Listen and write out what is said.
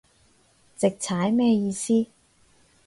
直踩咩意思